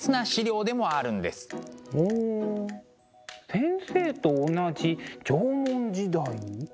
ほう先生と同じ縄文時代。